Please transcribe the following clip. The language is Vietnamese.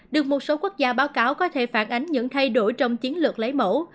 được một số quốc gia báo cáo có thể phản ánh những thay đổi trong chiến lược lấy mẫu